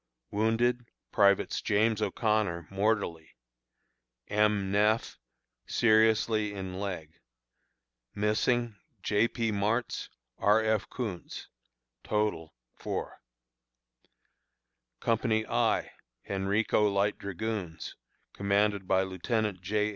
Wounded: Privates James O'Connor, mortally; M. Neff, seriously in leg. Missing: J. P. Martz, R. F. Koontz. Total, 4. Company I (Henrico Light Dragoons), commanded by Lieutenant J.